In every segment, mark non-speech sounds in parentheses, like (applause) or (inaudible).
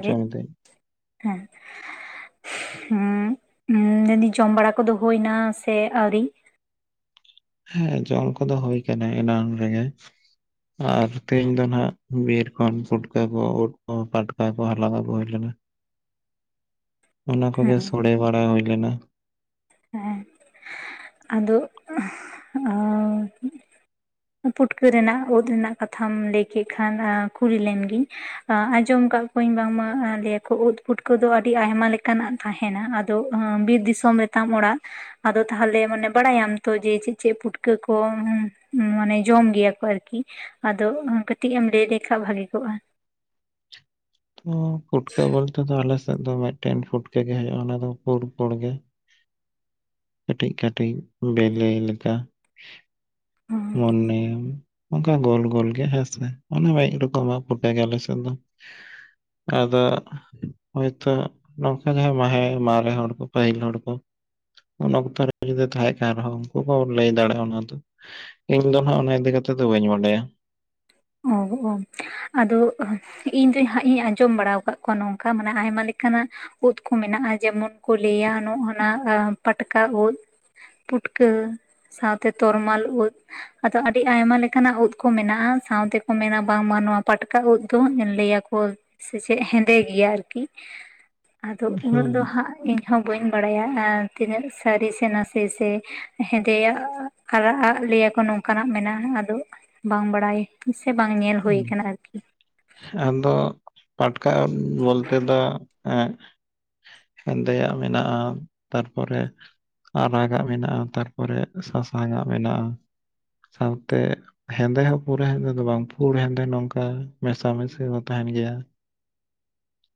ᱡᱚᱢ ᱫᱟᱹᱧ ᱦᱮᱸ। ᱦᱩᱸ, ᱢᱮᱱᱫᱤᱧ ᱡᱚᱢ ᱵᱟᱲᱟ ᱠᱚ ᱫᱚ ᱦᱚᱭᱱᱟ ᱥᱮ ᱟᱹᱣᱨᱤ? ᱦᱮᱸ, ᱡᱚᱞ ᱠᱚᱫᱚ ᱦᱩᱭ ᱠᱟᱱᱟ ᱮᱱᱟᱝ ᱨᱮᱜᱮ। ᱟᱨ ᱛᱮᱦᱮᱧ ᱫᱚ ᱱᱟᱦᱟᱜ ᱵᱤᱨ ᱠᱷᱚᱱ ᱯᱩᱴᱠᱟᱹ ᱠᱚ, ᱩᱫᱽ ᱠᱚ, ᱯᱟᱴᱠᱟ ᱠᱚ ᱦᱟᱞᱟᱝ ᱟᱹᱜᱩ ᱦᱩᱭ ᱞᱮᱱᱟ। ᱚᱱᱟ ᱠᱚᱜᱮ ᱦᱮᱸ ᱥᱚᱲᱮ ᱵᱟᱲᱟ ᱦᱩᱭ ᱞᱮᱱᱟ। ᱦᱮᱸ। ᱟᱫᱚ (unintelligible) ᱯᱩᱴᱠᱟᱹ ᱨᱮᱱᱟᱜ, ᱩᱫᱽ ᱨᱮᱱᱟᱜ ᱠᱟᱛᱷᱟᱢ ᱞᱟᱹᱭ ᱠᱮᱫ ᱠᱷᱟᱱ, ᱠᱩᱞᱤ ᱞᱮᱢ ᱜᱤᱧ, ᱟᱸ ᱟᱸᱡᱚᱢ ᱠᱟᱜ ᱠᱚᱣᱟᱧ ᱵᱟᱝᱢᱟ ᱞᱟᱹᱭᱟᱠᱚ ᱩᱫᱽ ᱯᱷᱩᱴᱠᱟᱹ ᱫᱚ ᱟᱹᱰᱤ ᱟᱭᱢᱟ ᱞᱮᱠᱟᱱᱟᱜ ᱛᱟᱦᱮᱸᱱᱟ। ᱟᱫᱚ ᱵᱤᱨ ᱫᱤᱥᱚᱢ ᱨᱮ ᱛᱟᱢ ᱚᱲᱟᱜ। ᱟᱫᱚ ᱛᱟᱦᱟᱞᱮ ᱢᱟᱱᱮ ᱵᱟᱲᱟᱭᱟᱢ ᱛᱚ ᱡᱮ ᱪᱮᱫ ᱪᱮᱫ ᱯᱷᱩᱴᱠᱟᱹ ᱠᱚ ᱢᱟᱱᱮ ᱡᱚᱢ ᱜᱮᱭᱟ ᱠᱚ ᱟᱨᱠᱤ? ᱟᱫᱚ ᱠᱟᱹᱴᱤᱡ ᱮᱢ ᱞᱟᱹᱭ ᱞᱮᱠᱷᱟᱱ ᱵᱷᱟᱹᱜᱤ ᱠᱚᱜᱼᱟ। ᱛᱚ ᱯᱷᱩᱴᱠᱟᱹ ᱵᱚᱞᱛᱮ ᱫᱚ ᱟᱞᱮᱥᱮᱫ ᱫᱚ ᱢᱤᱫᱴᱮᱱ ᱯᱷᱩᱴᱠᱟᱹ ᱜᱮ ᱦᱩᱭᱩᱜᱼᱟ ᱚᱱᱟ ᱫᱚ ᱯᱩᱲᱯᱩᱲ ᱜᱮ। (unintelligible) ᱠᱟᱹᱴᱤᱡ ᱠᱟᱹᱴᱤᱡ ᱵᱮᱞᱮ ᱞᱮᱠᱟ ᱢᱚᱱᱮᱭᱟᱢ। ᱚᱱᱟ ᱜᱳᱞ ᱜᱳᱞ ᱦᱮᱸᱥᱮ? ᱚᱱᱮ ᱢᱤᱫ ᱨᱚᱠᱚᱢᱟᱜ ᱯᱩᱴᱠᱟᱹ ᱜᱮ ᱟᱞᱮ ᱥᱮᱫ ᱫᱚ। ᱟᱫᱚ, ᱦᱳᱭᱛᱚ ᱱᱚᱝᱠᱟ ᱡᱟᱦᱟᱸᱭ ᱢᱟᱦᱮ, ᱢᱟᱨᱮ ᱦᱚᱲ ᱠᱚ, ᱯᱟᱹᱦᱤᱞ ᱦᱚᱲ ᱠᱚ ᱩᱱ ᱚᱠᱛᱚ ᱨᱮ ᱡᱩᱫᱤ ᱛᱟᱦᱮᱸᱜ ᱠᱟᱱ ᱨᱮᱦᱚᱸ ᱩᱱᱠᱩ ᱠᱚ ᱞᱟᱹᱭ ᱫᱟᱲᱮᱭᱟᱜᱼᱟ ᱚᱱᱟ ᱫᱚ। ᱤᱧ ᱫᱚ ᱱᱟᱦᱟᱜ ᱚᱱᱟ ᱤᱫᱤ ᱠᱟᱛᱮ ᱫᱚ ᱵᱟᱹᱧ ᱵᱟᱰᱟᱭᱟ। ᱚ ᱚ, ᱟᱫᱚ ᱤᱧ ᱫᱚ ᱦᱟᱸᱜ ᱤᱧ ᱟᱸᱡᱚᱢ ᱵᱟᱲᱟᱣ ᱠᱟᱜ ᱠᱚᱣᱟ ᱱᱚᱝᱠᱟ, ᱢᱟᱱᱮ ᱟᱭᱢᱟ ᱞᱮᱠᱟᱱᱟᱜ ᱩᱫᱽ ᱠᱚ ᱢᱮᱱᱟᱜᱼᱟ᱾ ᱡᱮᱢᱚᱱ ᱠᱚ ᱞᱟᱹᱭᱟ ᱱᱚᱜᱱᱟ ᱯᱟᱴᱠᱟ ᱩᱫᱽ, ᱯᱩᱴᱠᱟᱹ, ᱥᱟᱶᱛᱮ ᱛᱚᱨᱢᱟᱞ ᱩᱫᱽ। ᱟᱫᱚ ᱟᱹᱰᱤ ᱟᱭᱢᱟ ᱞᱮᱠᱟᱱᱟᱜ ᱩᱫᱽ ᱠᱚ ᱢᱮᱱᱟᱜ-ᱟ। ᱥᱟᱶᱛᱮ ᱠᱚ ᱢᱮᱱᱟ ᱵᱟᱝᱢᱟ ᱱᱚᱣᱟ ᱯᱟᱴᱠᱟ ᱩᱫᱽ ᱫᱚ, ᱞᱟᱹᱭᱟᱠᱚ ᱥᱮ ᱪᱮᱫ ᱦᱮᱸᱫᱮ ᱜᱮᱭᱟ ᱟᱨᱠᱤ। ᱟᱫᱚ ᱦᱩᱸ ᱩᱱᱟᱹᱜ ᱫᱚ ᱦᱟᱸᱜ ᱤᱧ ᱦᱚᱸ ᱵᱟᱹᱧ ᱵᱟᱲᱟᱭᱟ ᱟᱨ ᱛᱤᱱᱟᱹᱜ ᱥᱟᱹᱨᱤ ᱥᱮ ᱱᱟᱥᱮ ᱥᱮ ᱦᱮᱸᱫᱮᱭᱟᱜ ᱟᱨᱟ-ᱟᱜ ᱞᱟᱹᱭ ᱟᱠᱚ ᱱᱚᱝᱠᱟᱱᱟᱜ ᱢᱮᱱᱟᱜ-ᱟ ᱟᱫᱚ ᱵᱟᱝ ᱵᱟᱲᱟᱭ ᱥᱮ ᱵᱟᱝ ᱧᱮᱞ ᱦᱩᱭ ᱦᱩᱸ ᱟᱠᱟᱱᱟ ᱟᱨᱠᱤ᱾ ᱟᱫᱚ ᱯᱟᱴᱠᱟ ᱩᱸᱫ ᱵᱚᱞᱛᱮ ᱫᱚ ᱮᱸᱜ ᱦᱮᱸᱫᱮᱭᱟᱜ ᱢᱮᱱᱟᱜᱼᱟ ᱛᱟᱨᱯᱚᱨᱮ ᱟᱨᱟᱜᱟᱜ ᱢᱮᱱᱟᱜᱼᱟ ᱛᱟᱨᱯᱚᱨᱮ ᱥᱟᱥᱟᱝᱟᱜ ᱢᱮᱱᱟᱜᱼᱟ᱾ ᱥᱟᱶᱛᱮ ᱦᱮᱸᱫᱮ ᱦᱚᱸ ᱯᱩᱨᱟᱹ ᱦᱮᱸᱫᱮ ᱫᱚ ᱵᱟᱝ᱾ ᱯᱩᱲ ᱦᱮᱸᱫᱮ ᱱᱚᱝᱠᱟ ᱢᱮᱥᱟ ᱢᱮᱥᱤ ᱦᱚᱸ ᱛᱟᱦᱮᱱ ᱜᱮᱭᱟ᱾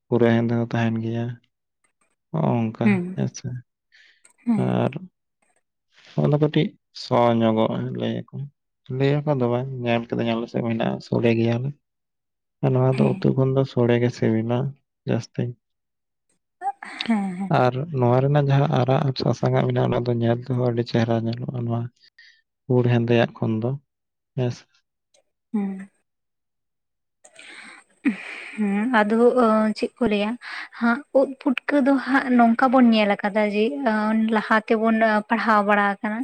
ᱯᱩᱨᱟᱹ ᱦᱮᱸᱫᱮ ᱦᱚᱸ ᱛᱟᱦᱮᱱ ᱜᱮᱭᱟ ᱦᱚᱸᱜᱼᱚᱝᱠᱟ ᱦᱩᱸ ᱦᱮᱸ ᱥᱮ᱾ ᱦᱮᱸ ᱟᱨ ᱚᱱᱟ ᱫᱚ ᱠᱟᱴᱤᱡ ᱥᱚ ᱧᱚᱜᱚᱜᱼᱟ ᱞᱟᱹᱭ ᱟᱠᱚ᱾ ᱞᱟᱹᱭᱟᱠᱚ ᱫᱚ ᱵᱟᱝ ᱧᱮᱞ ᱠᱟᱹᱫᱟᱧ ᱟᱞᱮ ᱥᱮᱫ ᱦᱚᱸ ᱢᱮᱱᱟᱜᱼᱟ᱾ ᱥᱚᱲᱮ ᱜᱮᱭᱟ ᱞᱮ ᱟᱨ ᱱᱚᱣᱟ ᱫᱚ ᱦᱮᱸ ᱩᱛᱩ ᱠᱷᱚᱱ ᱫᱚ ᱥᱚᱲᱮ ᱜᱮ ᱥᱤᱵᱤᱞᱟ ᱡᱟᱹᱥᱛᱤ᱾ ᱦᱮᱸ ᱦᱮᱸ᱾ ᱟᱨ ᱱᱚᱣᱟ ᱨᱮᱱᱟᱜ ᱡᱟᱦᱟᱸ ᱟᱨᱟᱜ ᱟᱨ ᱥᱟᱥᱟᱝᱟᱜ ᱢᱮᱱᱟᱜᱼᱟ ᱚᱱᱟ ᱫᱚ ᱧᱮᱞ ᱛᱮᱦᱚᱸ ᱟᱹᱰᱤ ᱪᱮᱦᱨᱟ ᱧᱮᱞᱚᱜᱼᱟ ᱱᱚᱣᱟ᱾ ᱯᱩᱲ ᱦᱮᱸᱫᱮᱭᱟᱜ ᱠᱷᱚᱱ ᱫᱚ ᱦᱮᱸ ᱥᱮ᱾ ᱦᱩᱸ᱾ ᱦᱩᱸ ᱟᱫᱚ ᱚ ᱪᱮᱫ ᱠᱚ ᱞᱟᱹᱭᱟ ᱦᱟᱸᱜ ᱩᱸᱫᱽ ᱯᱩᱴᱠᱟᱹ ᱫᱚ ᱦᱟᱸᱜ ᱱᱚᱝᱠᱟ ᱵᱚᱱ ᱧᱮᱞ ᱟᱠᱟᱫᱟ ᱡᱮ ᱟᱱ ᱞᱟᱦᱟ ᱛᱮᱵᱚᱱ ᱯᱟᱲᱦᱟᱣ ᱵᱟᱲᱟ ᱟᱠᱟᱱᱟ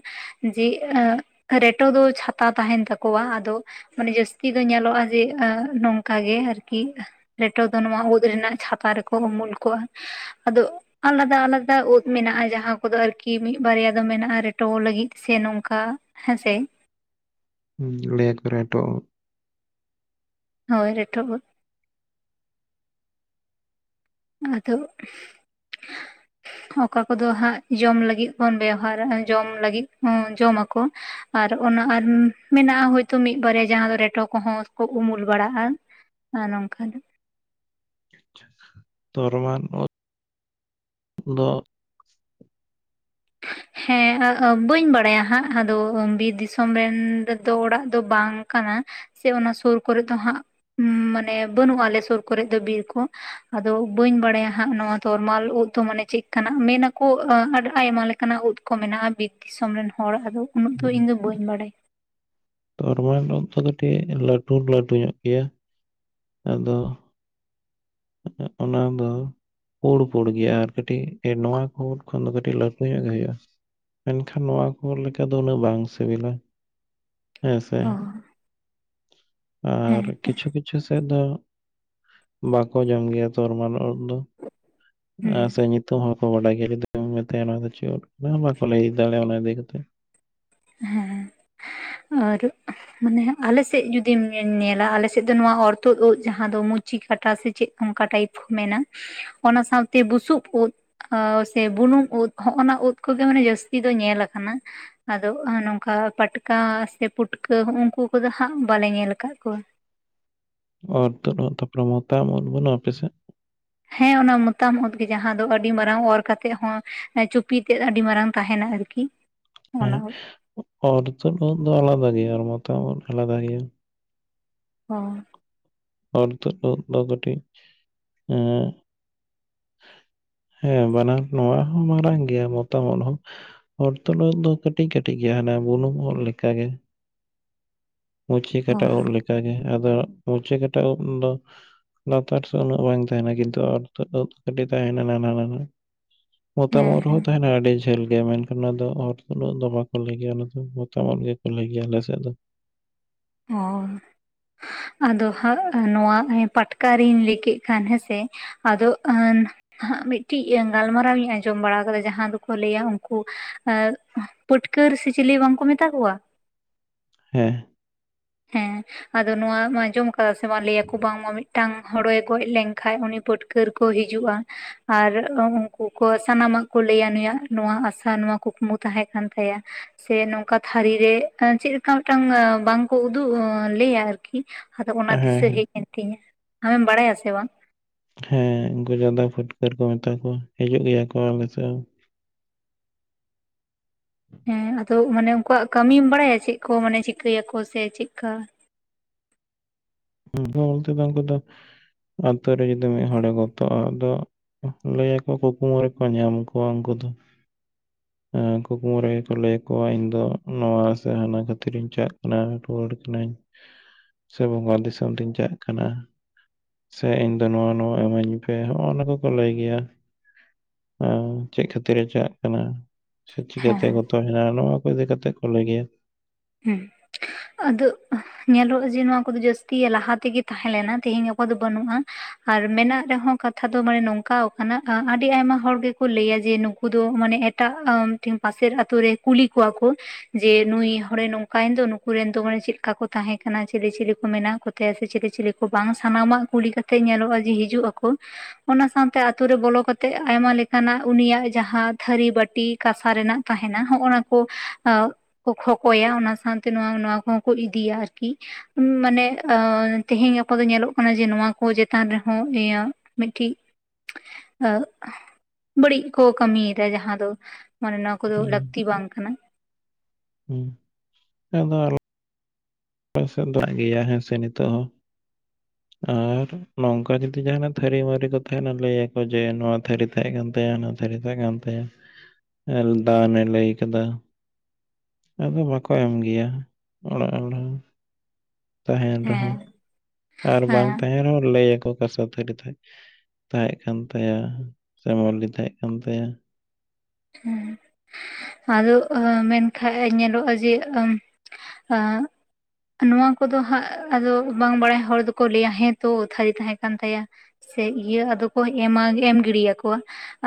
ᱡᱮ ᱮᱸᱜ ᱨᱮᱴᱚ ᱫᱚ ᱪᱷᱟᱛᱟ ᱛᱟᱦᱮᱱ ᱛᱟᱠᱚᱣᱟ ᱟᱫᱚ ᱢᱟᱱᱮ ᱡᱟᱹᱥᱛᱤ ᱫᱚ ᱧᱮᱞᱚᱜᱼᱟ ᱮᱸᱜ ᱱᱚᱝᱠᱟ ᱠᱟ ᱜᱮ ᱟᱨᱠᱤ ᱨᱮᱴᱚ ᱫᱚ ᱱᱚᱣᱟ ᱩᱸᱫᱽ ᱨᱮᱱᱟᱜ ᱪᱷᱟᱛᱟ ᱨᱮᱠᱚ ᱩᱢᱩᱞ ᱠᱚᱜᱼᱟ᱾ ᱟᱫᱚ ᱟᱞᱟᱫᱟ ᱟᱞᱟᱫᱟ ᱩᱸᱫᱽ ᱢᱮᱱᱟᱜᱼᱟ ᱡᱟᱦᱟᱸ ᱠᱚᱫᱚ ᱟᱨᱠᱤ ᱢᱤᱫ ᱵᱟᱨᱭᱟ ᱫᱚ ᱢᱮᱱᱟᱜᱼᱟ ᱨᱮᱴᱚ ᱞᱟᱹᱜᱤᱫ ᱥᱮ ᱱᱚᱝᱠᱟ ᱦᱮᱸ ᱥᱮ᱾ ᱦᱩᱸ ᱞᱮᱭ ᱟᱠᱚ‌ ᱨᱮᱴᱚ ᱩᱸᱫᱽ᱾ ᱦᱳᱭ ᱨᱮᱴᱚ ᱩᱫᱽ᱾ ᱟᱫᱚ ᱚᱠᱟ ᱠᱚᱫᱚ ᱦᱟᱸᱜ ᱡᱚᱢ ᱞᱟᱹᱜᱤᱫ ᱵᱚᱱ ᱵᱮᱣᱦᱟᱨᱟ ᱡᱚᱢ ᱞᱟᱹᱜᱤᱫ ᱦᱚᱸ ᱡᱚᱢ ᱟᱠᱚ᱾ ᱟᱨ ᱚᱱᱟ ᱟᱨ ᱢᱮᱱᱟᱜᱼᱟ ᱦᱳᱭᱛᱳ ᱢᱤᱫ ᱵᱟᱨᱭᱟ ᱡᱟᱦᱟᱸ ᱫᱚ ᱨᱮᱴᱚ ᱠᱚᱦᱚᱸ ᱠᱚ ᱩᱢᱩᱞ ᱵᱟᱲᱟᱜᱼᱟ᱾ ᱟ ᱱᱚᱝᱠᱟ ᱱᱟᱦᱜ᱾ ᱛᱚᱨᱢᱟᱱ ᱩᱫᱽ ᱫᱚ ᱦᱮᱸ ᱟ ᱟ ᱵᱟᱹᱧ ᱵᱟᱲᱟᱭᱟ ᱦᱟᱸᱜ ᱟᱫᱚ ᱵᱤᱨ ᱫᱤᱥᱚᱢ ᱨᱮᱱ ᱫᱮ ᱫᱚ ᱚᱲᱟᱜ ᱫᱚ ᱵᱟᱝ ᱠᱟᱱᱟ ᱥᱮ ᱚᱱᱟ ᱥᱩᱨ ᱠᱚᱨᱮ ᱫᱚ ᱦᱟᱸᱜ ᱢᱟᱱᱮ ᱵᱟᱹᱱᱩᱜᱼᱟ ᱟᱞᱮ ᱥᱩᱨ ᱠᱚᱨᱮ ᱫᱚ ᱵᱤᱨ ᱠᱚ᱾ ᱟᱫᱚ ᱵᱟᱹᱧ ᱵᱟᱲᱟᱭᱟ ᱦᱟᱸᱜ ᱱᱚᱣᱟ ᱛᱚᱨᱢᱟᱞ ᱩᱫᱽ ᱫᱚ ᱢᱟᱱᱮ ᱪᱮᱫ ᱠᱟᱱᱟᱜ ᱢᱮᱱ ᱟᱠᱚ ᱟᱰ ᱟᱭᱢᱟ ᱞᱮᱠ ᱠᱟᱱᱟ ᱩᱫᱽ ᱠᱚ ᱢᱮᱱᱟᱜᱼᱟ ᱵᱤᱨ ᱫᱤᱥᱚᱢ ᱨᱮᱱ ᱦᱚᱲ ᱟᱫᱚ ᱩᱱᱟᱹᱜ ᱫᱚ ᱤᱧ ᱫᱚ ᱵᱟᱹᱧ ᱵᱟᱰᱟᱭ᱾ ᱛᱚᱨᱢᱟᱞ ᱩᱫᱽ ᱫᱚ ᱠᱟᱹᱴᱤᱡ ᱞᱟᱹᱴᱩᱨ ᱞᱟᱹᱴᱩ ᱧᱚᱜ ᱜᱮᱭᱟ᱾ ᱟᱫᱚ ᱚᱱᱟ ᱫᱚ ᱯᱩᱲ ᱯᱩᱲ ᱜᱮᱭᱟ ᱟᱨ ᱠᱟᱹᱴᱤᱡ ᱱᱚᱶᱟ ᱠᱚ ᱩᱸᱫ ᱠᱷᱚᱱ ᱫᱚ ᱠᱟᱹᱴᱤᱡ ᱞᱟᱹᱴᱩ ᱧᱚᱜ ᱜᱮ ᱦᱩᱭᱩᱜᱼᱟ᱾ ᱢᱮᱱᱠᱷᱟᱱ ᱱᱚᱣᱟ ᱠᱚ ᱞᱮᱠᱟ ᱫᱚ ᱩᱱᱟᱹᱜ ᱵᱟᱝ ᱥᱤᱵᱤᱞᱟ ᱦᱮᱸ ᱥᱮ᱾ ᱚ ᱟᱨ ᱦᱮᱸ ᱠᱤᱪᱷᱩ ᱠᱤᱪᱷᱩ ᱥᱮᱫ ᱫᱚ ᱵᱟᱠ ᱠᱚ ᱡᱚᱢ ᱜᱮᱭᱟ ᱛᱚᱨᱢᱟᱞ ᱩᱫᱽ ᱫᱚ᱾ ᱟ ᱦᱩᱸ ᱥᱮ ᱧᱩᱛ ᱛᱩᱢ ᱦᱚᱸ ᱵᱟᱠᱚ ᱵᱟᱰᱟᱭ ᱜᱮᱭᱟ ᱡᱩᱫᱤᱢ ᱢᱮᱛᱟᱭᱟ ᱱᱚᱣᱟ ᱫᱚ ᱪᱮᱫ ᱩᱫᱽ ᱠᱟᱱᱟ ᱵᱟᱠᱚ ᱞᱟᱹᱭ ᱫᱟᱲᱮᱭᱟᱜᱼᱟ ᱚᱱᱟ ᱤᱫᱤ ᱠᱟᱛᱮ᱾ ᱚᱨ ᱩᱫᱽ ᱢᱟᱱᱮ ᱟᱞᱮ ᱥᱮᱫ ᱡᱩᱫᱤᱢ ᱧᱮᱞ ᱧᱮᱞᱟ ᱟᱞᱮ ᱥᱮᱫ ᱫᱚ ᱱᱚᱣᱟ ᱚᱨᱛᱩᱫ ᱩᱫᱽ ᱡᱟᱦᱟᱸ ᱫᱚ ᱢᱩᱪᱤ ᱠᱟᱴᱟ ᱥᱮ ᱪᱮᱫ ᱚᱱᱠᱟ ᱴᱟᱭᱤᱯ ᱢᱮᱱᱟ ᱚᱱᱟ ᱥᱟᱶᱛᱮ ᱵᱩᱥᱩᱵ ᱩᱫᱽ ᱚ ᱥᱮ ᱵᱩᱱᱩᱢ ᱩᱫᱽ ᱦᱚᱜᱼᱚᱱᱟ ᱩᱫᱽ ᱠᱚᱜᱮ ᱢᱟᱱᱮ ᱡᱟᱹᱥᱛᱤ ᱫᱚ ᱧᱮᱞ ᱟᱠᱟᱱᱟ᱾ ᱟᱫᱚ ᱚ ᱱᱚᱝᱠᱟ ᱯᱟᱴᱠᱟ ᱥᱮ ᱯᱩᱴᱠᱟᱹ ᱦᱩᱜᱼᱩᱱᱠᱩ ᱠᱚᱫᱚ ᱦᱟᱸᱜ ᱵᱟᱞᱮ ᱧᱮᱞ ᱟᱠᱟᱫ ᱠᱚᱣᱟ᱾ ᱚᱨᱛᱩᱫ ᱩᱫᱽ ᱛᱟᱯᱚᱨᱮ ᱵᱚᱛᱟᱢ ᱩᱫᱽ ᱵᱟᱹᱱᱩᱜᱼᱟ ᱟᱯᱮ ᱥᱮᱫ? ᱦᱮᱸ ᱚᱱᱟ ᱢᱚᱛᱟᱢ ᱩᱫᱽ ᱜᱮ ᱡᱟᱦᱟᱸ ᱫᱚ ᱟᱹᱰᱤ ᱢᱟᱨᱟᱝ ᱚᱨ ᱠᱟᱛᱮᱜ ᱦᱚᱸ ᱪᱩᱯᱤ ᱛᱮᱫ ᱟᱹᱰᱤ ᱢᱟᱨᱟᱝ ᱛᱟᱦᱮᱱᱟ ᱟᱨᱠᱤ᱾ (inaudible) ᱦᱮᱸ ᱚᱨᱛᱚᱫᱽ ᱩᱫᱽ ᱫᱚ ᱟᱞᱟᱫᱟ ᱜᱮᱭᱟ ᱟᱨ ᱢᱚᱛᱟᱢ ᱳᱫᱽ ᱟᱞᱟᱫᱟ ᱜᱮᱭᱟ ᱦᱚᱸ᱾ ᱚᱨᱛᱟᱹᱫᱽ ᱩᱫᱽ ᱫᱚ ᱠᱟᱹᱴᱤᱡ ᱮᱸ ᱦᱮᱸ ᱵᱟᱱᱟᱨ ᱱᱚᱣᱟ ᱦᱚᱸ ᱢᱟᱨᱟᱝ ᱜᱮᱭᱟ ᱢᱚᱛᱟᱢ ᱳᱫᱽ ᱦᱚᱸ ᱚᱨᱛᱩᱫᱽ ᱳᱫᱽ ᱫᱚ ᱠᱟᱹᱴᱤᱡᱽ ᱠᱟᱹᱴᱤᱡᱽ ᱜᱮᱭᱟ ᱦᱟᱱᱟ ᱵᱩᱱᱩᱝ ᱳᱫᱽ ᱞᱮᱠᱟᱜᱮ᱾ ᱢᱩᱪᱤ ᱚ ᱠᱟᱴᱟ ᱳᱫᱽ ᱞᱮᱠᱟᱜᱮ, ᱟᱫᱚ ᱢᱩᱪᱤ ᱠᱟᱴᱟ ᱳᱫᱽ ᱫᱚ ᱞᱟᱛᱟᱨ ᱥᱮ ᱩᱱᱟᱹᱜ ᱵᱟᱝ ᱛᱟᱦᱮᱸᱱᱟ ᱠᱤᱱᱛᱩ ᱚᱨᱛᱟᱹᱫᱽ ᱳᱫᱽ ᱠᱟᱹᱴᱤᱡ ᱛᱟᱦᱮᱸᱱᱟ ᱱᱟᱦᱱᱟ ᱱᱟᱦᱱᱟ᱾ ᱢᱚᱛᱟᱢ ᱳᱫᱽ ᱦᱮᱸ ᱨᱮᱦᱚᱸ ᱛᱟᱸᱦᱮᱱᱟ ᱟᱹᱰᱤ ᱡᱷᱟᱹᱞ ᱜᱮᱭᱟ ᱢᱮᱱᱠᱷᱟᱱ ᱚᱱᱟ ᱫᱚ ᱦᱚᱨᱛᱟᱹᱫ ᱳᱫᱽ ᱫᱚ ᱵᱟᱠᱚ ᱞᱟᱹᱭ ᱜᱮᱭᱟ ᱚᱱᱟ ᱫᱚ ᱢᱚᱛᱟᱢ ᱳᱫᱽ ᱜᱮᱠᱚ ᱞᱟᱹᱭ ᱜᱮᱭᱟ ᱟᱞᱮᱥᱮᱫ ᱫᱚ᱾ ᱚᱻ ᱟᱫᱚ ᱦᱟᱸᱜ ᱱᱚᱣᱟ ᱯᱟᱴᱠᱟ ᱨᱤᱧ ᱞᱟᱹᱭ ᱠᱮᱫ ᱠᱷᱟᱱ ᱦᱮᱸᱥᱮ᱾ ᱟᱫᱚ ᱦᱟᱸ ᱦᱟᱸᱜ ᱢᱤᱫᱴᱤᱡ ᱜᱟᱞᱢᱟᱨᱟᱣ ᱤᱧ ᱟᱸᱡᱚᱢ ᱵᱟᱲᱟ ᱠᱟᱫᱟ ᱡᱟᱦᱟᱸ ᱫᱚᱠᱚ ᱞᱟᱹᱭᱟ ᱩᱱᱠᱩ ᱮ, ᱯᱟᱹᱴᱠᱟᱹᱨ ᱥᱮ ᱪᱤᱞᱤ ᱵᱟᱝᱠᱚ ᱢᱮᱛᱟ ᱠᱚᱣᱟ? ᱦᱮᱸ᱾ ᱦᱮᱸ ᱟᱫᱚ ᱱᱚᱣᱟᱢ ᱟᱸᱡᱚᱢ ᱟᱠᱟᱫᱟ ᱥᱮ ᱵᱟᱝ ᱞᱟᱹᱭᱟᱠᱚ ᱵᱟᱝᱢᱟ ᱢᱤᱫᱴᱟᱝ ᱦᱚᱲᱚᱭ ᱜᱚᱡᱽ ᱞᱮᱱᱠᱷᱟᱡ ᱩᱱᱤ ᱯᱟᱹᱴᱠᱟᱹᱨ ᱠᱚ ᱦᱤᱡᱩᱜᱼᱟ᱾ ᱟᱨ ᱩᱱᱠᱩ ᱠᱚ ᱥᱟᱱᱟᱢᱟᱜ ᱠᱚ ᱞᱟᱹᱭᱟ ᱱᱩᱭᱟᱜ ᱱᱚᱣᱟ ᱟᱥᱟ ᱱᱚᱣᱟ ᱠᱩᱠᱢᱩ ᱛᱟᱦᱮᱸ ᱠᱟᱱ ᱛᱟᱭᱟ᱾ ᱥᱮ ᱱᱚᱝᱠᱟ ᱛᱷᱟᱹᱨᱤ ᱨᱮ ᱮᱸ ᱪᱮᱫᱞᱮᱠᱟ ᱢᱤᱫᱴᱟᱝ ᱵᱟᱝ ᱠᱚ ᱩᱫᱩᱜ ᱞᱟᱹᱭᱟ ᱟᱨᱠᱤ ᱟᱫᱚ ᱚᱱᱟ ᱦᱮᱸ ᱫᱤᱥᱟᱹ ᱦᱮᱸ ᱦᱮᱡᱽ ᱮᱱ ᱛᱤᱧᱟ, ᱟᱢᱮᱢ ᱵᱟᱲᱟᱭᱟ ᱥᱮ ᱵᱟᱝ? ᱦᱮᱸ ᱩᱱᱠᱩ ᱡᱟᱫᱟ ᱯᱷᱩᱴᱠᱟᱹᱨ ᱠᱚ ᱢᱮᱛᱟ ᱠᱚᱣᱟ, ᱦᱤᱡᱩᱜ ᱜᱮᱭᱟ ᱠᱚ ᱟᱞᱮ ᱥᱮᱫ ᱦᱚᱸ ᱦᱮᱸ ᱟᱫᱚ ᱢᱟᱱᱮ ᱩᱱᱠᱩᱣᱟᱜ ᱠᱟᱹᱢᱤᱢ ᱵᱟᱲᱟᱭᱟ ᱪᱮᱫ ᱠᱚ ᱢᱟᱱᱮ ᱪᱤᱠᱟᱹᱭᱟᱠᱚ ᱥᱮ ᱪᱮᱫᱠᱟ? ᱩᱱᱠᱩ ᱵᱚᱞᱛᱮ ᱫᱚ ᱩᱱᱠᱩ ᱫᱚ, ᱟᱛᱳ ᱨᱮ ᱡᱩᱫᱤ ᱢᱤᱫ ᱦᱚᱲᱮ ᱜᱚᱛᱚᱼᱟ ᱟᱫᱚ ᱞᱟᱹᱭᱟ ᱠᱚ ᱠᱩᱠᱢᱩ ᱨᱮᱠᱚ ᱧᱟᱢ ᱠᱚᱣᱟ ᱩᱱᱠᱩ ᱫᱚ᱾ (inaudible) ᱮᱸ ᱠᱩᱠᱢᱩ ᱨᱮᱜᱮᱠᱚ ᱞᱟᱹᱭᱟ ᱠᱚᱣᱟ ᱤᱧ ᱫᱚ ᱱᱚᱣᱟ ᱥᱮ ᱦᱟᱱᱟ ᱠᱷᱟᱹᱛᱤᱨ ᱤᱧ ᱪᱟᱜ ᱠᱟᱱᱟ ᱨᱩᱣᱟᱹᱲ ᱠᱟᱹᱱᱟᱹᱧ᱾ (inaudible) ᱥᱮ ᱵᱚᱸᱜᱟ ᱫᱤᱥᱚᱢ ᱨᱤᱧ ᱪᱟᱜ ᱠᱟᱱᱟ᱾ ᱥᱮ ᱤᱧ ᱫᱚ ᱱᱚᱣᱟ ᱱᱚᱣᱟ ᱮᱢᱟᱹᱧ ᱯᱮ ᱱᱚᱜᱼᱚ ᱱᱚᱣᱟ ᱠᱚᱠᱚ ᱞᱟᱹᱭ ᱜᱮᱭᱟ᱾ ᱮ ᱪᱮᱫ ᱠᱷᱟᱹᱛᱤᱨᱮ ᱪᱟᱜ ᱠᱟᱱᱟ? ᱥᱮ ᱪᱤᱠᱟᱹᱛᱮ ᱦᱮᱸ ᱜᱚᱛᱚ ᱮᱱᱟᱭ ᱱᱚᱣᱟ ᱠᱚ ᱤᱫᱤ ᱠᱟᱛᱮ ᱠᱚ ᱞᱟᱹᱭ ᱜᱮᱭᱟ᱾ ᱦᱮᱸ᱾ ᱟᱫᱚ ᱧᱮᱞᱚᱜᱼᱟ ᱡᱮ ᱱᱚᱣᱟ ᱠᱚᱫᱚ ᱡᱟᱹᱥᱛᱤ ᱞᱟᱦᱟ ᱛᱮᱜᱮ ᱛᱟᱦᱮᱸᱞᱮᱱᱟ ᱛᱮᱦᱮᱧ ᱜᱟᱯᱟ ᱫᱚ ᱵᱟᱹᱱᱩᱜᱼᱟ᱾ ᱟᱨ ᱢᱮᱱᱟᱜ ᱨᱮᱦᱚᱸ ᱠᱟᱛᱷᱟ ᱫᱚ ᱢᱟᱹᱭ ᱱᱚᱝᱠᱟᱣ ᱠᱟᱱᱟ ᱟᱹᱰᱤ ᱟᱭᱢᱟ ᱦᱚᱲ ᱜᱮᱠᱚ ᱞᱟᱹᱭᱟ ᱡᱮ ᱱᱩᱠᱩ ᱫᱚ ᱢᱟᱱᱮ ᱮ ᱮᱴᱟᱜ ᱢᱤᱫᱴᱤ ᱯᱟᱥᱮᱨ ᱟᱛᱳ ᱨᱮ ᱠᱩᱞᱤ ᱠᱚᱣᱟ ᱠᱚ ᱡᱮ ᱱᱩᱭ ᱦᱚᱲᱮ ᱱᱚᱝᱠᱟᱭᱮᱱ ᱫᱚ ᱱᱩᱠᱩ ᱨᱮᱱ ᱫᱚ ᱢᱟᱱᱮ ᱪᱮᱫᱠᱟ ᱠᱚ ᱛᱟᱦᱮᱸ ᱠᱟᱱᱟ, ᱪᱮᱞᱮ ᱪᱮᱞᱮ ᱠᱚ ᱢᱮᱱᱟᱜ ᱠᱚᱛᱟᱭᱟ ᱥᱮ ᱪᱮᱞᱮ ᱪᱮᱞᱮ ᱵᱟᱝ ᱥᱟᱱᱟᱢᱟᱜ ᱠᱩᱞᱤ ᱠᱟᱛᱮᱜ ᱧᱮᱞᱚᱜᱼᱟ ᱡᱮ ᱦᱤᱡᱩᱜ ᱟᱠᱚ᱾ ᱚᱱᱟ ᱥᱟᱶᱛᱮ ᱟᱹᱛᱩ ᱨᱮ ᱵᱚᱞᱚ ᱠᱟᱛᱮᱜ ᱟᱭᱢᱟ ᱞᱮᱠᱟᱱᱟᱜ ᱩᱱᱤᱭᱟᱜ ᱡᱟᱦᱟᱸ ᱛᱷᱟᱹᱨᱤ, ᱵᱟᱹᱴᱤ ᱠᱟᱸᱥᱟ ᱨᱮᱱᱟᱜ ᱛᱟᱦᱮᱸᱱᱟ, ᱦᱚᱸᱜ-ᱚᱱᱟ ᱠᱚ ᱮ ᱠᱷᱚ ᱠᱚᱭᱟ ᱚᱱᱟ ᱥᱟᱶᱛᱮ ᱱᱚᱣᱟ ᱱᱚᱣᱟ ᱠᱚᱦᱚᱸ ᱠᱚ ᱤᱫᱤᱭᱟ ᱟᱨᱠᱤ ᱢᱟᱱᱮ ᱟᱸᱻ ᱛᱮᱦᱮᱸᱧ ᱜᱟᱯᱟ ᱫᱚ ᱧᱮᱞᱚᱜ ᱠᱟᱱᱟ ᱡᱮ ᱱᱚᱣᱟ ᱠᱚ ᱪᱮᱛᱟᱱ ᱨᱮᱦᱚᱸ ᱤᱭᱟᱹ ᱢᱤᱫᱴᱤᱡ ᱟ ᱵᱟᱹᱲᱤᱡᱽ ᱠᱚ ᱠᱟᱹᱢᱤᱭᱮᱫᱟ ᱡᱟᱦᱟᱸ ᱫᱚ ᱢᱟᱱᱮ ᱱᱚᱣᱟ ᱠᱚᱫᱚ ᱦᱩᱸ ᱞᱟᱹᱠᱛᱤ ᱵᱟᱝ ᱠᱟᱱᱟ᱾ ᱦᱩᱸ (inaudible) ᱯᱮᱥᱮ ᱫᱚ ᱞᱟᱜ ᱜᱮᱭᱟ ᱦᱮᱸ ᱥᱮ ᱱᱤᱛᱚᱜ ᱦᱚᱸ᱾ (inaudible) ᱟᱨ ᱱᱚᱝᱠᱟ ᱡᱩᱫᱤ ᱡᱟᱦᱟᱱᱟᱜ ᱛᱷᱟᱹᱨᱤ ᱢᱟᱨᱟᱹᱨᱤ ᱠᱚ ᱛᱟᱦᱮᱱᱟ ᱞᱟᱹᱭᱟᱠᱚ ᱡᱮ ᱱᱚᱣᱟ ᱛᱷᱟᱹᱨᱤ ᱛᱟᱦᱮᱸ ᱠᱟᱱ ᱛᱟᱭᱟ ᱚᱱᱟ ᱛᱦᱟᱹᱨᱤ ᱛᱟᱦᱮ ᱠᱟᱱ ᱛᱟᱭᱟ ᱫᱟᱱᱮ ᱞᱟᱹᱭ ᱠᱟᱫᱟ? ᱟᱫᱚ ᱵᱟᱠᱚ ᱮᱢ ᱜᱮᱭᱟ ᱚᱲᱟᱜ ᱦᱚᱲ ᱦᱚᱸ? ᱛᱟᱦᱮᱱ ᱨᱮᱦᱚᱸ ᱦᱮᱸ ᱟᱨ ᱵᱟᱝ ᱦᱮᱸ ᱛᱟᱦᱮᱱ ᱨᱮᱦᱚᱸ ᱞᱟᱹᱭᱟᱠᱚ ᱠᱟᱸᱥᱟ ᱛᱷᱟᱹᱨᱤ ᱛᱟᱦᱮᱸᱡ ᱛᱟᱦᱮᱸ ᱠᱟᱱ ᱛᱟᱭᱟ ᱥᱮ ᱢᱟᱹᱞᱤ ᱛᱟᱦᱮᱸ ᱠᱟᱱ ᱛᱟᱭᱟ ᱦᱩᱸ ᱟᱫᱚ ᱢᱮᱱᱠᱷᱟᱡ ᱧᱮᱞᱚᱜᱼᱟ ᱡᱮ ᱟᱹᱢ ᱟᱹᱻ ᱱᱚᱣᱟ ᱠᱚᱫᱚ ᱦᱟᱸᱜ ᱟᱫᱚ ᱵᱟᱝ ᱵᱟᱲᱟᱭ ᱦᱚᱲ ᱫᱚᱠᱚ ᱞᱟᱹᱭᱟ ᱦᱮᱸᱛᱚ ᱛᱷᱟᱹᱨᱤ ᱛᱟᱦᱮᱸ ᱠᱟᱱ ᱛᱟᱭᱟ ᱾ ᱥᱮ ᱤᱭᱟᱹ ᱟᱫᱚ ᱠᱚ ᱮᱢᱟ ᱮᱢ ᱜᱤᱰᱤᱭ ᱟᱠᱚᱣᱟ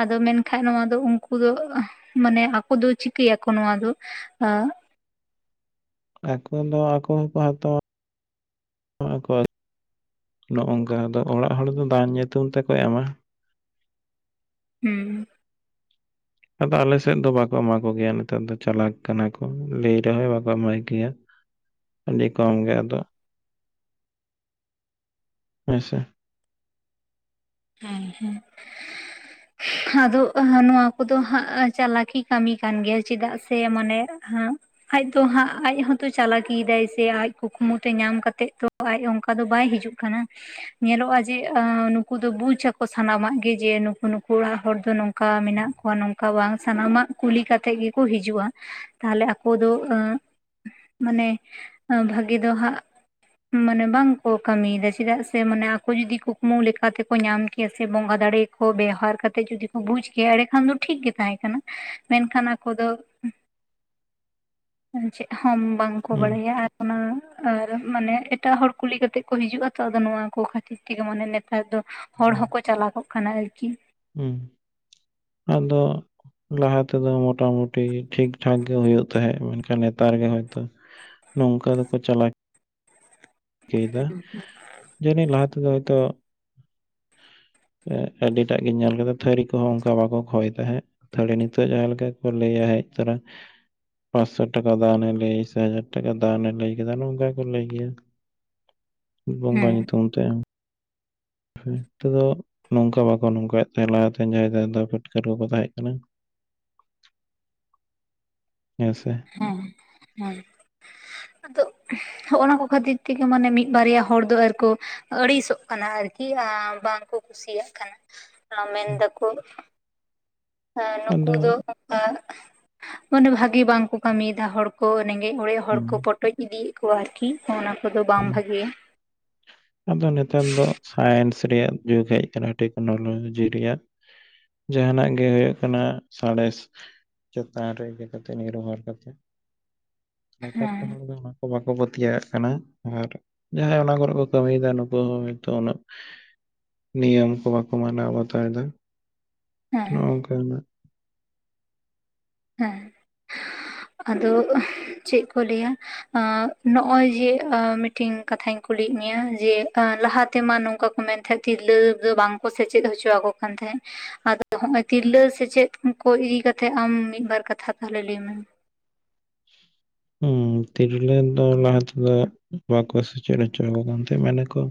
ᱟᱫᱚ ᱢᱮᱱᱠᱷᱟᱡ ᱱᱚᱣᱟ ᱫᱚ ᱩᱱᱠᱩ ᱩᱱᱠᱩ ᱫᱚ ᱢᱟᱱᱮ ᱟᱠᱚ ᱫᱚ ᱪᱤᱠᱟᱹᱭᱟᱠᱚ ᱱᱚᱣᱟ ᱫᱚ ᱟᱹᱻ ᱟᱠᱚ ᱫᱚ ᱟᱠᱚ ᱦᱚᱸᱠᱚ ᱦᱟᱛᱣᱟ ᱾ ᱮᱢᱚᱜ ᱟᱡ ᱱᱚᱜᱼᱚᱝᱠᱟ ᱟᱫᱚ ᱚᱲᱟᱜ ᱦᱚᱲ ᱫᱚ ᱫᱟᱱ ᱧᱩᱛᱩᱢ ᱛᱮᱠᱚ ᱮᱢᱟ? ᱦᱩᱸ, ᱟᱫᱚ ᱟᱞᱮ ᱥᱮᱫ ᱫᱚ ᱵᱟᱠᱚ ᱮᱢᱟ ᱠᱚᱜᱮᱭᱟ ᱱᱮᱛᱟᱨ ᱫᱚ ᱪᱟᱞᱟᱠ ᱠᱟᱱᱟ ᱠᱚ ᱞᱟᱹᱭ ᱨᱮᱦᱚᱸᱭ ᱵᱟᱠᱚ ᱮᱢᱟᱭ ᱜᱮᱭᱟ ᱾ ᱟᱹᱰᱤ ᱠᱚᱢ ᱜᱮ ᱟᱫᱚ, ᱦᱳᱭ ᱥᱮ, ᱦᱮᱸ ᱦᱮᱸ, ᱟᱫᱚ ᱱᱚᱣᱟ ᱠᱚᱫᱚ ᱦᱟᱸᱜ ᱪᱟᱞᱟᱠᱤ ᱠᱟᱹᱢᱤ ᱠᱟᱱ ᱜᱮᱭᱟ ᱪᱮᱫᱟᱜ ᱥᱮ ᱢᱟᱱᱮ ᱦᱟᱸᱜ ᱟᱡ ᱛᱚ ᱦᱟᱸᱜ ᱟᱡ ᱦᱚᱸᱛᱚ ᱪᱟᱞᱟᱠᱤ ᱫᱟᱭ ᱥᱮ ᱟᱡ ᱠᱩᱠᱢᱩ ᱛᱮ ᱧᱟᱢ ᱠᱟᱛᱮᱜ ᱛᱚ, ᱟᱡ ᱚᱱᱠᱟ ᱫᱚ ᱵᱟᱭ ᱦᱤᱡᱩᱜ ᱠᱟᱱᱟ ᱧᱮᱞᱚᱜᱼᱟ ᱡᱮ ᱟᱹᱻ ᱱᱩᱠᱩ ᱫᱚ ᱵᱩᱡ ᱟᱠᱚ ᱥᱟᱱᱟᱢᱟᱜ ᱜᱮ ᱡᱮ ᱱᱩᱠᱩ ᱱᱩᱠᱩ ᱚᱲᱟᱜ ᱦᱚᱲ ᱫᱚ ᱱᱚᱝᱠᱟ ᱢᱮᱱᱟᱜ ᱠᱚᱣᱟ ᱱᱚᱝ ᱱᱠᱟ ᱵᱟᱝ ᱥᱟᱱᱟᱢᱟᱜ ᱠᱩᱞᱤ ᱠᱟᱛᱮᱜ ᱜᱮᱠᱚ ᱦᱤᱡᱩᱜᱼᱟ ᱛᱟᱦᱞᱮ ᱟᱠᱚ ᱫᱚ ᱟᱹᱻ ᱢᱟᱱᱮ ᱵᱷᱟᱹᱜᱮ ᱫᱚ ᱦᱟᱸᱜ ᱢᱟᱱᱮ ᱵᱟᱝᱠᱚ ᱠᱟᱹᱢᱤᱭᱮᱫᱟ ᱪᱮᱫᱟᱜ ᱥᱮ ᱢᱟᱱᱮ ᱟᱠᱚ ᱡᱩᱫᱤ ᱠᱩᱠᱢᱩ ᱞᱮᱠᱟ ᱠᱟᱛᱮ ᱠᱚ ᱧᱟᱢ ᱠᱮᱭᱟ ᱥᱮ ᱵᱚᱸᱜᱟ ᱫᱟᱲᱮ ᱠᱚ ᱵᱮᱣᱦᱟᱨ ᱠᱟᱛᱮ ᱡᱩᱫᱤ ᱠᱚ ᱵᱩᱡ ᱠᱮᱭᱟ ᱮᱸᱲᱮᱠᱷᱟᱱ ᱫᱚ ᱴᱷᱤᱠ ᱜᱮ ᱛᱟᱦᱮᱸ ᱠᱟᱱᱟ ᱾ ᱢᱮᱱᱠᱷᱟᱱ ᱟᱠᱚ ᱫᱚ ᱪᱮᱫ ᱦᱚᱸ ᱵᱟᱝ? ᱠᱚ ᱦᱩᱸ ᱵᱟᱲᱟᱭᱟ ᱟᱨ, ᱚᱱᱟ ᱟᱨ ᱢᱟᱱᱮ ᱮᱴᱟᱜ ᱦᱚᱲ ᱠᱩᱞᱤ ᱠᱟᱛᱮᱜ ᱠᱚ ᱦᱤᱡᱩᱜᱼᱟ ᱛᱚ ᱟᱫᱚ ᱱᱚᱣᱟ ᱠᱚ ᱠᱷᱟᱹᱛᱤᱨ ᱛᱮᱜᱮ ᱢᱟᱱᱮ ᱱᱮ ᱱᱮᱛᱟᱨ ᱫᱚ ᱦᱚᱲ ᱦᱚᱸᱠᱚ ᱪᱟᱞᱟᱠᱚᱜ ᱠᱟᱱᱟ ᱟᱨᱠᱤ ᱾ ᱦᱩᱸ ᱟᱫᱚ ᱞᱟᱦᱟ ᱛᱮᱫᱚ ᱢᱚᱴᱟ ᱢᱩᱴᱤ ᱴᱷᱤᱠ ᱴᱷᱟᱠ ᱜᱮ ᱦᱳᱭᱳᱜ ᱛᱟᱦᱮᱸᱫ ᱢᱮᱱᱠᱷᱟᱱ ᱱᱮᱛᱟᱨ ᱜᱮ ᱦᱚᱭᱛᱚ ᱱᱚᱝᱠᱟ ᱫᱚᱠᱚ ᱪᱟᱞᱟᱠ ᱪᱤᱠᱟᱹᱭ ᱫᱟ ᱡᱟᱹᱱᱤᱡ ᱞᱟᱦᱟ ᱛᱮᱫᱚ ᱦᱚᱭᱛᱚ (inaudible) ᱟᱹᱰᱤᱴᱟᱜ ᱜᱤᱧ ᱧᱮᱞ ᱠᱟᱫᱟ ᱛᱷᱟᱹᱨᱤ ᱠᱚᱦᱚᱸ ᱚᱱᱠᱟ ᱵᱟᱠᱚ ᱠᱷᱚᱭ ᱛᱟᱦᱮᱸᱫ ᱾ ᱛᱟᱦᱚᱞᱮ ᱱᱤᱛᱚᱜ ᱡᱟᱦᱟᱸ ᱞᱮᱠᱟ ᱠᱚ ᱞᱟᱹᱭᱟ ᱦᱮᱡ ᱛᱚᱨᱟ, ᱯᱟᱸᱪᱥᱚ ᱴᱟᱠᱟ ᱫᱟᱱᱮ ᱞᱟᱹᱭ ᱥᱮ ᱦᱟᱡᱟᱨ ᱴᱟᱠᱟ ᱫᱟᱱᱮ ᱞᱟᱹᱭ ᱠᱮᱫᱟ ᱱᱚᱝᱠᱟ ᱠᱚ ᱞᱟᱹᱭ ᱜᱮᱭᱟ ᱾ ᱵᱚᱸᱜᱟ ᱦᱮᱸ ᱧᱩᱛᱩᱢ ᱛᱮ, ᱱᱤᱛᱚᱜ ᱫᱚ ᱱᱚᱝᱠᱟ ᱵᱟᱠᱚ ᱱᱚᱝᱠᱟ ᱭᱮᱫ ᱛᱟᱦᱮᱸ ᱞᱟᱦᱟᱛᱮᱱ ᱡᱟᱦᱟᱭ ᱫᱟᱫᱟ ᱯᱟᱹᱴᱠᱟᱹᱨ ᱠᱚᱠᱚ ᱛᱟᱦᱮᱸ ᱠᱟᱱᱟ ᱾ ᱦᱮᱸ ᱥᱮ, ᱦᱮᱸ ᱦᱮᱸ, ᱟᱫᱚ ᱦᱚᱜᱼᱚ ᱱᱚᱣᱟ ᱠᱚ ᱠᱷᱟᱹᱛᱤᱨ ᱛᱮᱜᱮ ᱢᱟᱱᱮ ᱢᱤᱫ ᱵᱟᱨᱭᱟ ᱦᱚᱲ ᱫᱚ ᱟᱨᱠᱚ, ᱟᱹᱲᱤᱥᱚᱜ ᱠᱟᱱᱟ ᱟᱨᱠᱤ ᱟᱻ ᱵᱟᱝᱠᱚ ᱠᱩᱥᱤᱭᱟᱜ ᱠᱟᱱᱟ ᱢᱮᱱ ᱫᱟ ᱠᱚ ᱱᱩᱠᱩ ᱟᱫᱚ ᱫᱚ ᱚᱱᱠᱟ ᱢᱟᱱᱮ ᱵᱷᱟᱜᱮ ᱵᱟᱝᱠᱚ ᱠᱟᱹᱢᱤᱭᱮᱫᱟ ᱦᱚᱲ ᱠᱚ ᱨᱮᱸᱜᱮᱡ ᱚᱲᱮᱡ ᱦᱚᱲ ᱠᱚ ᱯᱚᱴᱚᱡ ᱤᱫᱤᱭᱮᱫ ᱠᱚᱣᱟ ᱟᱨᱠᱤ ᱦᱚᱸᱜᱼᱚ ᱱᱟ ᱠᱚᱫᱚ ᱵᱟᱝ ᱦᱮᱸ ᱵᱷᱟᱜᱤᱭᱟ᱾ (unintelligible) ᱟᱫᱚ ᱱᱮᱛᱟᱨ ᱫᱚ ᱥᱟᱭᱮᱱᱥ ᱨᱮᱭᱟᱜ ᱡᱩᱜᱽ ᱦᱮᱡ ᱠᱟᱱᱟ ᱴᱮᱠᱱᱳᱞᱚᱡᱤ ᱨᱮᱭᱟᱜ᱾ ᱡᱟᱦᱟᱱᱟᱜ ᱜᱮ ᱦᱳᱭᱳᱜ ᱠᱟᱱᱟ ᱥᱟᱬᱮᱥ᱾ ᱪᱮᱛᱟᱱ ᱨᱮ ᱤᱭᱟᱹ ᱠᱟᱛᱮ ᱱᱤᱨᱵᱷᱚᱨ ᱠᱟᱛᱮ᱾ ᱱᱮᱛᱟᱨ ᱦᱮᱸ ᱠᱚ ᱦᱚᱲ ᱫᱚ ᱚᱱᱟ ᱠᱚ ᱵᱟᱠᱚ ᱯᱟᱹᱛᱭᱟᱹᱣᱟᱜ ᱠᱟᱱᱟ᱾ ᱟᱨ ᱡᱟᱦᱟᱸᱭ ᱚᱱᱟ ᱠᱚᱨᱮᱜ ᱠᱚ ᱠᱟᱹᱢᱤᱭᱫᱟ ᱱᱩᱠᱩ ᱦᱚᱸ ᱦᱚᱭᱛᱳ ᱩᱱᱟᱹᱜ ᱱᱤᱭᱚᱴᱟᱹᱢ ᱠᱚ ᱵᱟᱠᱚ ᱢᱟᱱᱟᱣ ᱵᱟᱛᱟᱣᱫᱟ᱾ ᱦᱮᱸ ᱱᱚᱜᱼᱚᱝᱠᱟᱱᱟᱜ ᱦᱮᱸ, ᱟᱫᱚ ᱪᱮᱫ ᱠᱚ ᱞᱮᱭᱟ? ᱟᱸ ᱱᱚᱜ-ᱚᱭ ᱡᱮ ᱮ ᱢᱤᱫᱴᱤᱝ ᱠᱟᱛᱷᱟᱧ ᱠᱩᱞᱤᱭᱮᱜ ᱢᱮᱭᱟ ᱡᱮ ᱟ ᱞᱟᱦᱟᱛᱮᱢᱟ ᱱᱚᱝᱠᱟ ᱢᱮᱱ ᱛᱟᱦᱮᱸᱜ ᱛᱤᱨᱞᱟᱹ ᱜᱮ ᱵᱟᱝᱠᱚ ᱥᱮᱪᱮᱫ ᱦᱚᱪᱚᱣᱟᱠᱚ ᱠᱟᱱ ᱛᱟᱦᱮᱸᱫ᱾ ᱟᱫᱚ ᱦᱚᱸᱜ-ᱚᱭ ᱛᱤᱨᱞᱟᱹ ᱥᱮᱪᱮᱫ ᱩ ᱠᱚ ᱤᱫᱤ ᱠᱟᱛᱮᱫ ᱟᱢ ᱢᱤᱫ ᱵᱟᱨ ᱠᱟᱛᱷᱟ ᱛᱟᱦᱚᱞᱮ ᱞᱮᱭᱢᱮ‌᱾ ᱦᱩᱸ ᱛᱤᱨᱞᱟᱹ ᱫᱚ ᱞᱟᱦᱟ ᱛᱮᱫᱚ ᱵᱟᱠᱚ ᱥᱮᱪᱮᱫ ᱦᱚᱪᱚᱣᱟᱠᱚ ᱠᱟᱱ ᱛᱟᱦᱮᱸᱫ ᱢᱮᱱᱟ ᱠᱚ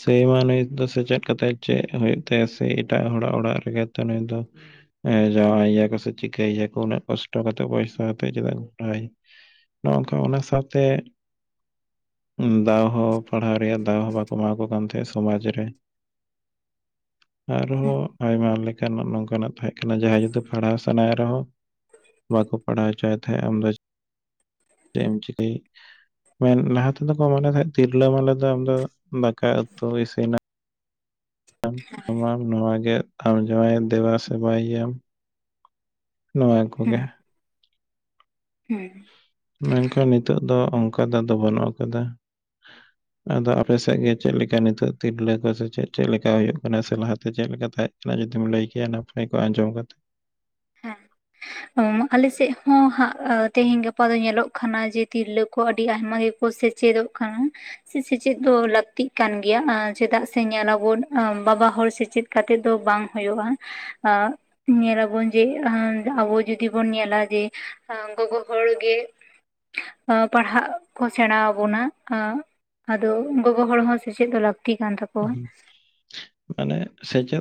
ᱥᱮᱭ ᱢᱟ ᱱᱩᱭ ᱫᱚ ᱥᱮᱪᱮᱫ ᱠᱟᱛᱮᱫ ᱪᱮᱫ ᱦᱩᱭᱩᱜ ᱛᱟᱭᱟ ᱥᱮᱭ ᱮᱴᱟᱜ ᱦᱚᱲᱟᱜ ᱚᱲᱟᱜ ᱨᱮᱜᱮ ᱛᱚ ᱱᱩᱭ ᱫᱚ ᱮᱸ ᱡᱟᱶᱟᱭᱭᱟᱠᱚ ᱥᱮ ᱪᱤᱠᱟᱹᱭ ᱭᱟᱠᱚ ᱩᱱᱟᱹᱜ ᱠᱚᱥᱴᱚ ᱠᱟᱛᱮᱜ ᱯᱚᱭᱥᱟ ᱠᱟᱛᱮ ᱪᱮᱫᱟᱜ ᱳᱭ ᱱᱚᱜ-ᱚᱝᱠᱟ ᱚᱱᱟ ᱥᱟᱶᱛᱮ ᱩᱸ ᱫᱟᱣ ᱦᱚᱸ ᱯᱟᱲᱦᱟᱣ ᱨᱮᱭᱟᱜ ᱫᱟᱣ ᱦᱚᱸ ᱵᱟᱠᱚ ᱮᱢᱟᱠᱚ ᱠᱟᱱ ᱛᱟᱦᱮᱸᱫ ᱥᱚᱢᱟᱡᱽ ᱨᱮ᱾ (unintelligible) ᱟᱨᱦᱚᱸ ᱟᱭᱢᱟ ᱞᱮᱠᱟᱱᱟᱜ ᱱᱚᱝᱠᱟᱱᱟᱜ ᱛᱟᱦᱮᱸᱜ ᱠᱟᱱᱟ ᱡᱟᱦᱟᱸᱭ ᱡᱩᱫᱤ ᱯᱟᱲᱦᱟᱣ ᱥᱟᱱᱟᱭᱮ ᱨᱮᱦᱚᱸ ᱵᱟᱠᱚ ᱯᱟᱲᱦᱟᱣ ᱦᱚᱪᱚᱣᱟᱭ ᱛᱟᱦᱮᱸᱜ ᱟᱢᱫᱟᱡ ᱪᱮᱫ ᱮᱢ ᱪᱤᱠᱟᱹᱭ? ᱢᱮᱱ ᱱᱟᱦᱟ ᱛᱮᱫᱚ ᱠᱚ ᱢᱚᱱᱮ ᱛᱟᱦᱮᱸᱜ ᱛᱤᱨᱞᱟᱹ ᱢᱟᱱᱮ ᱫᱚ ᱟᱢ ᱫᱚ ᱫᱟᱠᱟ ᱩᱛᱩ ᱤᱥᱤᱱ ᱟᱢ ᱟᱢᱟᱢ ᱱᱚᱣᱟ ᱜᱮ ᱟᱢ ᱡᱟᱶᱟᱮᱭᱮ ᱫᱮᱵᱟ ᱥᱮᱵᱟᱭᱭᱟᱢ᱾ ᱱᱚᱣᱟ ᱠᱚᱜᱮ᱾ ᱦᱩᱸ᱾ ᱢᱮᱱᱠᱷᱟᱱ ᱱᱤᱛᱟᱹᱜ ᱫᱚ ᱚᱱᱠᱟ ᱫᱚ ᱟᱫᱚ ᱵᱟᱹᱱᱩᱜ ᱟᱠᱟᱫᱟ᱾ (unintelligible) ᱟᱫᱚ ᱟᱯᱮ ᱥᱮᱜ ᱜᱮ ᱪᱮᱫ ᱞᱮᱠᱟ ᱱᱤᱛᱟᱹᱜ ᱛᱤᱨᱞᱟᱹ ᱠᱚ ᱥᱮ ᱪᱮᱫ ᱪᱮᱫ ᱞᱮᱠᱟ ᱦᱩᱭᱩᱜ ᱠᱟᱱᱟ ᱥᱮ ᱞᱟᱦᱟᱛᱮ ᱪᱮᱫ ᱞᱮᱠᱟ ᱛᱟᱸᱦᱮᱜ ᱚᱱᱟ ᱡᱩᱫᱤᱢ ᱞᱟᱹᱭ ᱠᱮᱭᱟ ᱱᱟᱯᱟᱭ ᱠᱚᱜ-ᱟ ᱟᱸᱡᱚᱢ ᱠᱟᱛᱮᱫ᱾ ᱦᱮᱸ, ᱚ ᱟᱞᱮ ᱦᱚᱸ ᱦᱟᱸᱜ ᱮ ᱛᱮᱦᱮᱧ ᱜᱟᱯᱟ ᱫᱚ ᱧᱮᱞᱚᱜ ᱠᱷᱟᱱᱟ ᱡᱮ ᱛᱤᱨᱞᱟᱹ ᱠᱚ ᱟᱹᱰᱤ ᱟᱭᱢᱟ ᱜᱮᱠᱚ ᱥᱮᱪᱮᱫᱚᱜ ᱠᱟᱱᱟ᱾ ᱥᱮ ᱥᱮᱪᱮᱫ ᱫᱚ ᱞᱟᱹᱠᱛᱤᱜ ᱠᱟᱱ ᱜᱮᱭᱟ ᱮᱸ ᱪᱮᱫᱟᱜ ᱥᱮ ᱧᱮᱞᱟᱵᱚᱱ ᱟ ᱵᱟᱵᱟ ᱦᱚᱲ ᱥᱮᱪᱮᱫ ᱠᱟᱛᱮᱫ ᱫᱚ ᱵᱟᱝ ᱦᱳᱭᱳᱜᱼᱟ, ᱟ ᱧᱮᱞᱟᱵᱚᱱ ᱡᱮ ᱟᱸ ᱟᱵᱚ ᱡᱩᱫᱤ ᱵᱚᱱ ᱧᱮᱞᱟ ᱵᱚᱱ ᱡᱮ ᱮᱸ ᱜᱚᱜᱚ ᱦᱚᱲ ᱜᱮ ᱚᱸ ᱯᱟᱲᱦᱟᱜ ᱠᱚ ᱥᱮᱸᱲᱟᱣᱟᱵᱚ ᱱᱟ ᱟᱸ ᱟᱫᱚ ᱜᱚᱜᱚ ᱦᱚᱲ ᱦᱚᱸ ᱥᱮᱪᱮᱫ ᱫᱚ ᱞᱟᱹᱠᱛᱤ ᱠᱟᱱ ᱛᱟᱠᱚᱣᱟ᱾ ᱢᱟᱱᱮ ᱥᱮᱪᱮᱫ